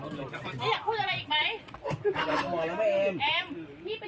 พี่แอมพี่เป็นห่วงกันใช่ไหมพี่